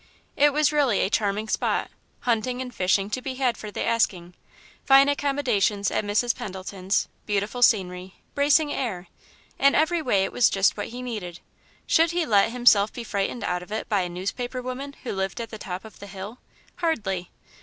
It was really a charming spot hunting and fishing to be had for the asking, fine accommodations at Mrs. Pendleton's, beautiful scenery, bracing air in every way it was just what he needed. Should he let himself be frightened out of it by a newspaper woman who lived at the top of the hill? Hardly!